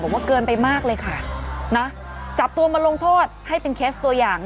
ว่าเกินไปมากเลยค่ะนะจับตัวมาลงโทษให้เป็นเคสตัวอย่าง